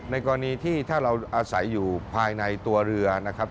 กรณีที่ถ้าเราอาศัยอยู่ภายในตัวเรือนะครับ